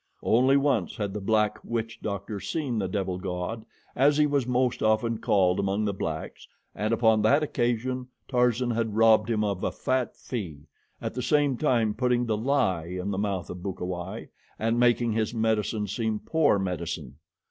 Only once had the black witch doctor seen the devil god, as he was most often called among the blacks, and upon that occasion Tarzan had robbed him of a fat fee, at the same time putting the lie in the mouth of Bukawai, and making his medicine seem poor medicine.